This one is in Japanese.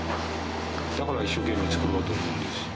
だから一生懸命作ろうと思うんです。